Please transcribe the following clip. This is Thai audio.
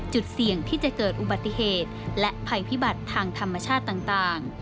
จุดเสี่ยงที่จะเกิดอุบัติเหตุและภัยพิบัติทางธรรมชาติต่าง